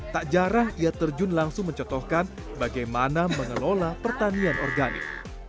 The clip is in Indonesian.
tak jarang ia terjun langsung mencotohkan bagaimana mengelola pertanian organik